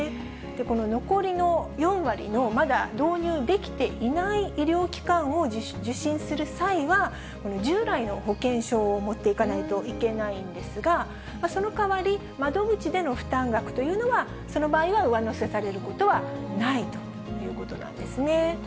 この残りの４割の、まだ導入できていない医療機関を受診する際は、従来の保険証を持っていかないといけないんですが、その代わり、窓口での負担額というのは、その場合は上乗せされることはないということなんですね。